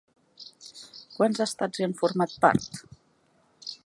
Quants estats hi han format part?